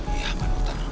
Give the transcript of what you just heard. iya pak dokter